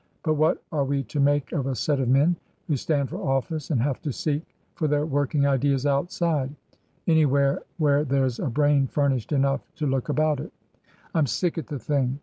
But what are we to make of a set of men who stand for office and have to seek for their working ideas outside — anywhere where there's a brain furnished enough to look about it ? I'm sick at the thing.